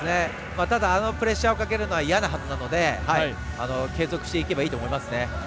あのプレッシャーをかけるのは嫌なはずなので継続していけばいいと思いますね。